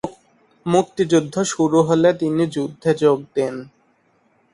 মুক্তিযুদ্ধ শুরু হলে তিনি যুদ্ধে যোগ দেন।